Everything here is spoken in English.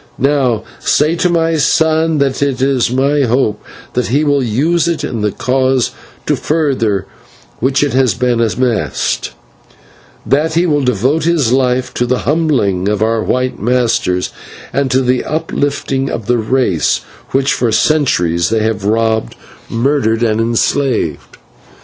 Now, say to my son that it is my hope that he will use it in the cause to further which it has been amassed; that he will devote his life to the humbling of our white masters, and to the uplifting of the race which for centuries they have robbed, murdered, and enslaved.